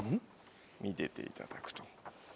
見てていただくと。